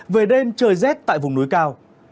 về đêm trời rét tại vùng núi cao